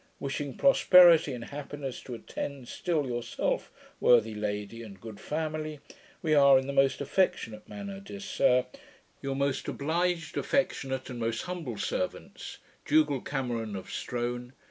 Wishing prosperity and happiness to attend still yourself, worthy Lady, and good family, we are, in the most affectionate manner, Dear sir, Your most obliged, affectionate, and most humble servants, DUGALL CAMERON, of Strone.